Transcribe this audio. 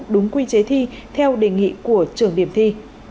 đúng quy chế thi theo đề nghị của trưởng điểm thi